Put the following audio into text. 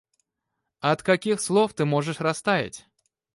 От каких слов ты можешь растаять?